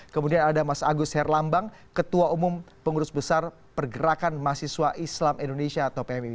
kemudian ada mas agus herlambang ketua umum pengurus besar pergerakan mahasiswa islam indonesia atau pmi